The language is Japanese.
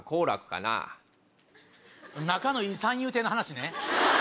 仲のいい三遊亭の話ね。